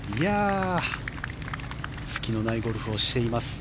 隙のないゴルフをしています。